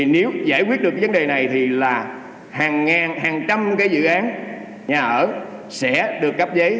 nếu giải quyết được vấn đề này thì hàng ngàn hàng trăm dự án nhà ở sẽ được cấp giấy